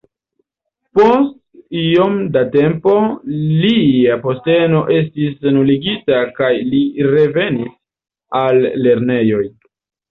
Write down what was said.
Post iom da tempo lia posteno estis nuligita kaj li revenis al lernejoj.